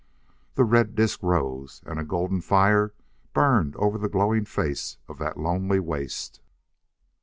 The red disk rose, and a golden fire burned over the glowing face of that lonely waste.